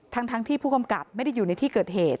ทั้งที่ผู้กำกับไม่ได้อยู่ในที่เกิดเหตุ